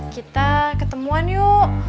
kita ketemuan yuk